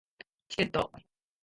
チケット